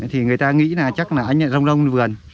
thì người ta nghĩ là chắc là anh ở rong đông vườn